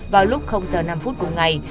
vào lúc giờ năm phút của ngày